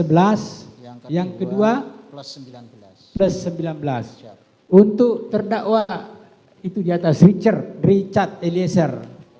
plus sebelas yang kedua plus sembilan belas untuk terdakwa itu diatas richard richard eliezer